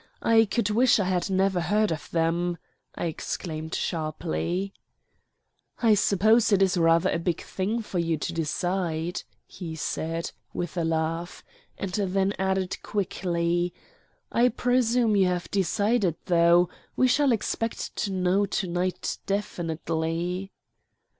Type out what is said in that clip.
I could wish I had never heard of them!" I exclaimed sharply. "I suppose it is rather a big thing for you to decide?" he said, with a laugh; and then added quickly, "I presume you have decided, though? We shall expect to know to night definitely."